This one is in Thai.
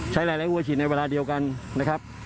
ใช้หลายอัวชินในเวลาเดียวกันนะครับ